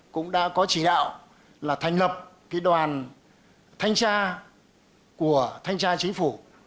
cũng đã có chỉ đạo là thành lập đoàn thanh tra của thanh tra chính phủ